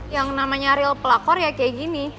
yang namanya real pelakor ya kayak gini